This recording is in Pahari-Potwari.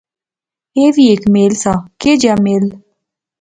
ایہہ وی ہیک میل سا، کیا جیا میل؟